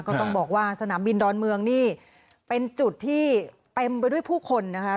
ก็ต้องบอกว่าสนามบินดอนเมืองนี่เป็นจุดที่เต็มไปด้วยผู้คนนะคะ